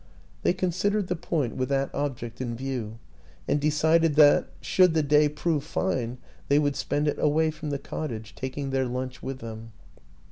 They considered the point with that object in view, and decided that should the day prove fine they would spend it away from the cottage, taking their lunch with them.